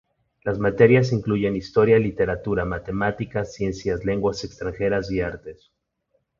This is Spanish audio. Las materias incluyen; Historia, Literatura, Matemáticas, Ciencia, Lenguas extranjeras y Artes.